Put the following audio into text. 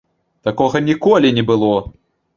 Такога ніколі не было!